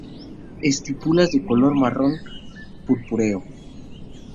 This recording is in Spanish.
Estípulas de color marrón purpúreo.